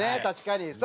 確かに。